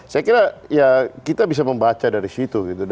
saya kira ya kita bisa membaca dari situ gitu